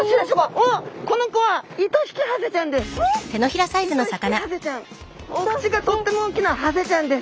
お口がとっても大きなハゼちゃんです。